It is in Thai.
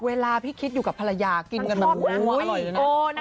เวลาพี่คิดอยู่กับภรรยากินกันอุ้ยนางชอบนางอร่อยด้วยนะ